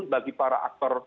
bagi para aktor